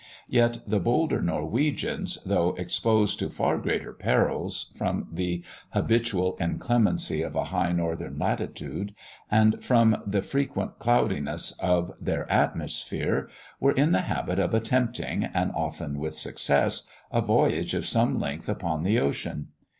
Yet, the bolder Norwegians, though exposed to far greater perils, from the habitual inclemency of a high northern latitude, and from the frequent cloudiness of their atmosphere, were in the habit of attempting, and often with success, a voyage of some length upon the ocean.